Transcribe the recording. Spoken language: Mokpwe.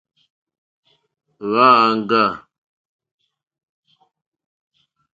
Hwá āŋɡâ.